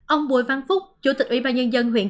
ông bùi văn phúc chủ tịch ủy ban nhân dân huyện